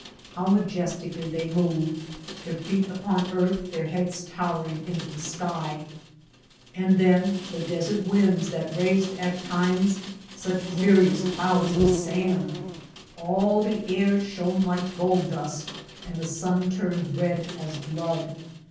How majestically they moved, their feet upon earth, their heads towering into the sky ! And then the desert winds that raised at times such furious clouds of sand ! All the air shone like gold dust and the sun turned red as blood.